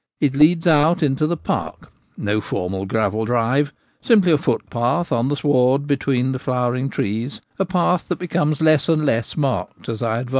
It leads out into the park — no formal gravel drive, simply a foot path on the sward between the flowering trees : a path that becomes less and less marked as I ad Bees.